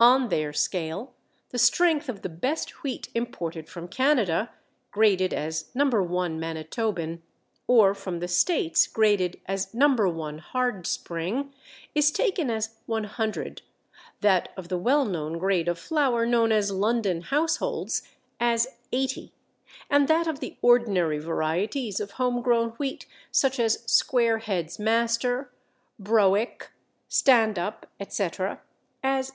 On their scale the strength of the best wheat imported from Canada, graded as No. 1 Manitoban, or from the States graded as No. 1 Hard Spring, is taken as 100, that of the well known grade of flour known as London Households as 80, and that of the ordinary varieties of home grown wheat, such as Square Head's Master, Browick, Stand Up, etc., as 65.